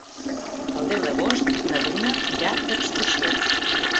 El deu d'agost na Duna irà d'excursió.